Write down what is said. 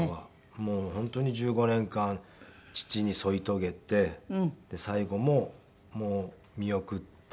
もう本当に１５年間父に添い遂げて最期も見送って。